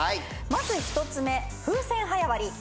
まず１つ目風船早割り。